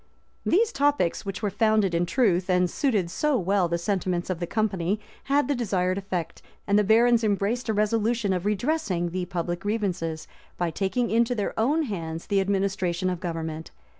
Paris, p. 649. These topics, which were founded in truth, and suited so well the sentiments of the company, had the desired effect, and the barons embraced a resolution of redressing the public grievances, by taking into their own hands the administration of government.